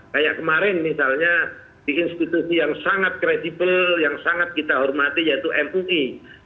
kayak kemarin misalnya di institusi yang sangat kredibel yang sangat kita hormati yaitu mui